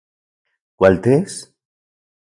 ¿Kualtis...?